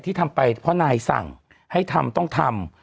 ทำไปเพราะนายสั่งให้ทำต้องทำ